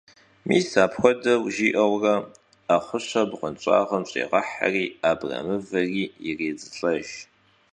Mis apxuedeu jji'eure 'exhuşşer bğuenş'ağım ş'êğeheri abremıveri yirêdzılh'ejj.